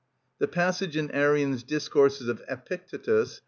_) The passage in Arrian's "Discourses of Epictetus," B.